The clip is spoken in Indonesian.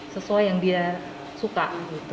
sesuai yang dia suka